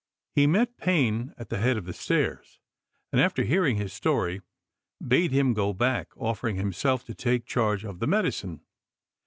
He met Payne at the head of the stairs, and after hearing his story bade him go back, offering himself to take charge of the medicine.